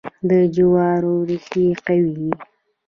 د جوارو ریښې قوي وي.